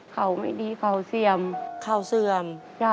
เขาก็ไม่ดีเขาเสี่ยมก็ค่าวเสื่อม